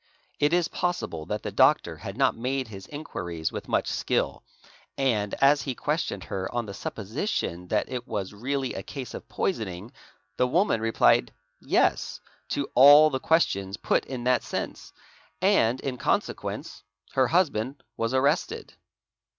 It is possible y that the doctor had not made his inquiries with much skill, and, as he ce questioned her on the supposition that it was really a case of poisoning, the woman replied ''yes"' to all the questions put in that sense, and, in _ consequence, her husband was arrested.